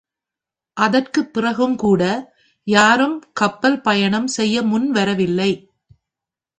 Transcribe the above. அதற்குப் பிறகும் கூட யாரும் கப்பல் பயணம் செய்ய முன் வரவில்லை.